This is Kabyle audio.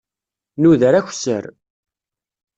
Nuder akessar.